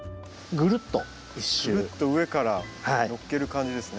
ぐるっと上から載っける感じですね。